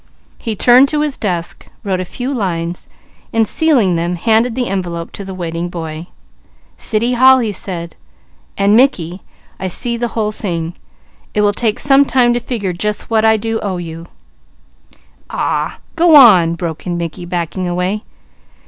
He turned to his desk, wrote a few lines, and sealing them, handed the envelope to the waiting boy. "City Hall," he said. "And Mickey, I see the whole thing. It will take some time to figure just what I do owe you " "Aw a ah g'wan!" broke in Mickey, backing away.